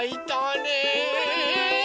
ねえ。